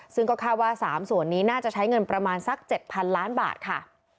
ซึ่งก็คาดว่า๓ส่วนนี้น่าจะใช้เงินประมาณสัก๗๐๐ล้านบาทค่ะ